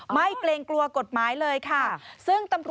เกรงกลัวกฎหมายเลยค่ะ